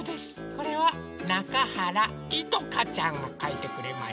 これはなかはらいとかちゃんがかいてくれました。